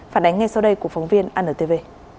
phản ánh ngay sau đây của phóng viên anntv